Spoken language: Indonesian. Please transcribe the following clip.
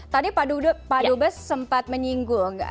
tadi pak dubes sempat menyinggung